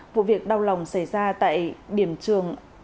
vụ việc đau lòng xảy ra tại điểm trường